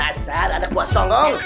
rasar ada gua songong